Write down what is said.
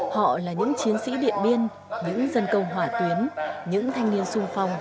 họ là những chiến sĩ điện biên những dân công hỏa tuyến những thanh niên sung phong